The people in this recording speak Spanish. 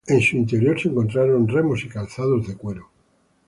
En su interior se encontraron remos y calzado de cuero.